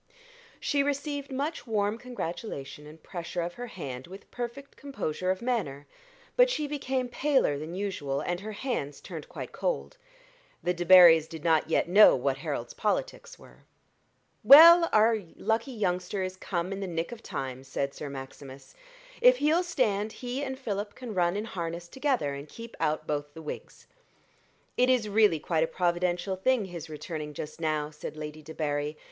She received much warm congratulation and pressure of her hand with perfect composure of manner; but she became paler than usual, and her hands turned quite cold. The Debarrys did not yet know what Harold's politics were. "Well, our lucky youngster is come in the nick of time," said Sir Maximus: "if he'll stand, he and Philip can run in harness together and keep out both the Whigs." "It is really quite a providential thing his returning just now," said Lady Debarry.